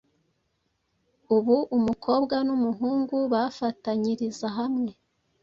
Ubu umukobwa n’umuhungu bafatanyiriza hamwe